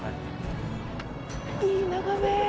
いい眺め！